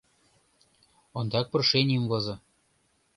— Ондак прошенийым возо.